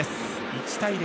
１対０。